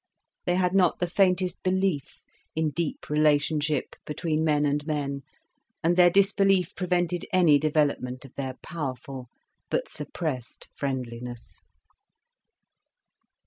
They had not the faintest belief in deep relationship between men and men, and their disbelief prevented any development of their powerful but suppressed friendliness.